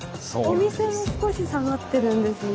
お店も少し下がってるんですね。